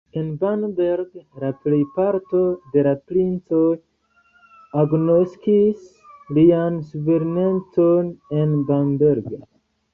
En Bamberg la plejparto de la princoj agnoskis lian suverenecon en Bamberg.